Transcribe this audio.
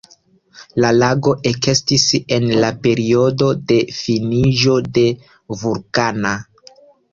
La lago ekestis en la periodo de finiĝo de vulkana.